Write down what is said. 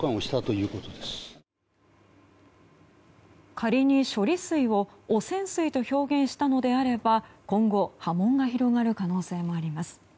仮に処理水を汚染水と表現したのであれば今後、波紋が広がる可能性もあります。